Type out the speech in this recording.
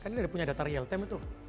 kan ini ada punya data real time itu